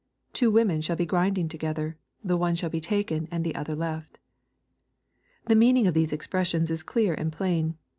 Two women shall be grinding together ; the one shall be taken, and the other left." The meaning of these expressions is clear and plain.